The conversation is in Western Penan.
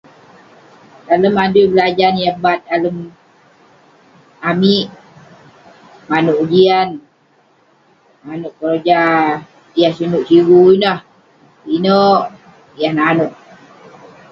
Dalem adui berajan yah bat dalem amik..manouk ujian, manouk keroja yah senuk sigu ineh, pinek yah nanouk..